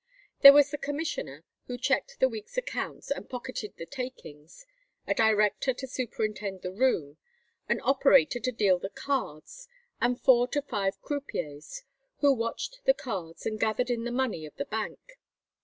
There was the commissioner, who checked the week's accounts and pocketed the takings; a director to superintend the room; an operator to deal the cards, and four to five croupiers, who watched the cards and gathered in the money of the bank.